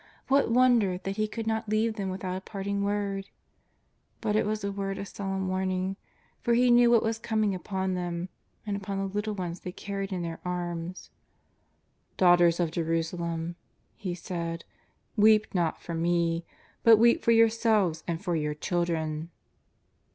What wonder that He could not leave them without a parting word ! But it was a word of solemn warning, for He knew what was coming upon them and upon the little ones they car ried in their arms. " Daughters of Jerusalem," He said, " weep not for Me, but weep for yourselves and for your children."